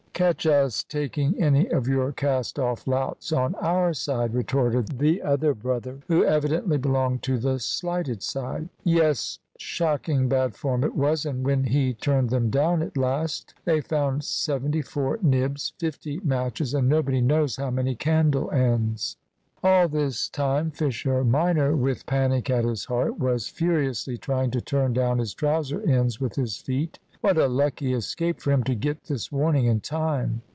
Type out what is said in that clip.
"Catch us taking any of your cast off louts on our side," retorted the other brother, who evidently belonged to the slighted side; "yes shocking bad form it was and when he turned them down at last, they found seventy four nibs, fifty matches, and nobody knows how many candle ends." All this time Fisher minor, with panic at his heart, was furiously trying to turn down his trouser ends with his feet. What a lucky escape for him to get this warning in time!